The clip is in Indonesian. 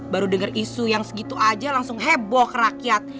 baru dengar isu yang segitu aja langsung heboh ke rakyat